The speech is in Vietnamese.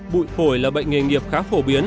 bụi phổi là bệnh nghề nghiệp khá phổ biến